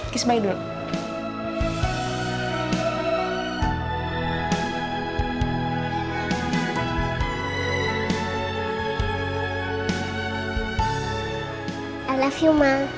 kiss baik dulu